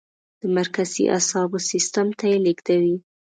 د مرکزي اعصابو سیستم ته یې لیږدوي.